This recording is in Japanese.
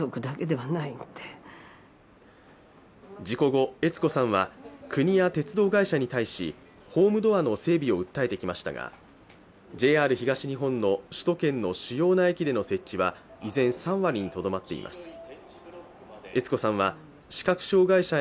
事故後、悦子さんは国や鉄道会社に対しホームドアの整備を訴えてきましたがＪＲ東日本の首都圏の主要な駅での設置は、依然、３割にとどまっています。